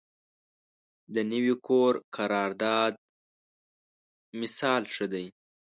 د نوي کور قرارداد مثال ښه دی.